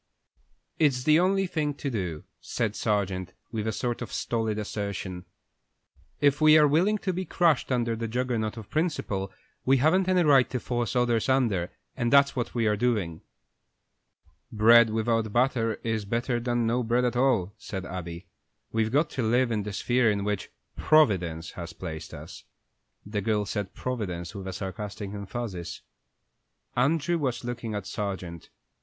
"It's the only thing to do," said Sargent, with a sort of stolid assertion. "If we are willing to be crushed under the Juggernaut of principle, we haven't any right to force others under, and that's what we are doing." "Bread without butter is better than no bread at all," said Abby. "We've got to live in the sphere in which Providence has placed us." The girl said "Providence" with a sarcastic emphasis. Andrew was looking at Sargent.